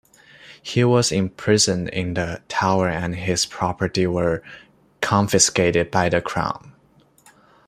He was imprisoned in the Tower and his properties were confiscated by the Crown.